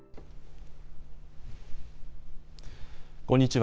こんにちは。